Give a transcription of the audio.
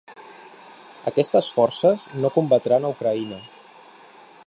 Aquestes forces no combatran a Ucraïna.